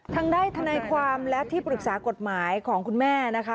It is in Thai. ทางด้านทนายความและที่ปรึกษากฎหมายของคุณแม่นะคะ